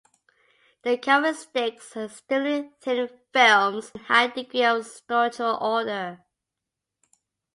Their characteristics are extremely thin films and high degree of structural order.